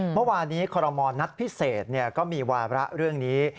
เมื่อวานนี้คอรมณ์นัดพิเศษก็มีวาระเรื่องนี้